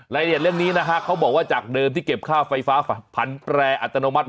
รายละเอียดเรื่องนี้นะฮะเขาบอกว่าจากเดิมที่เก็บค่าไฟฟ้าพันแปรอัตโนมัติ